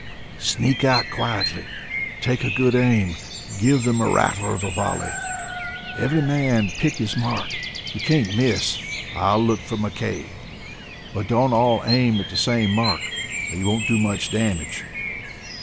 "Sneak out quietly. Take a good aim. Give them a rattler of a volley. Every man pick his mark. You can't miss. I'll look for McKay. But don't all aim at the same mark or you won't do much damage."